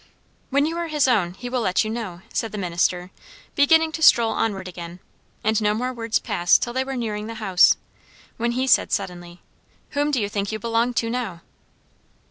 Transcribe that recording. "When you are his own, he will let you know," said the minister, beginning to stroll onward again; and no more words passed till they were nearing the house, when he said suddenly, "Whom do you think you belong to now?"